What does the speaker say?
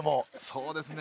そうですね。